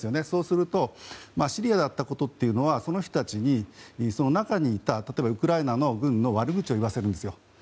そうするとシリアがやったことはその人たちに、中にいた例えばウクライナの軍の悪口を言わせるんです。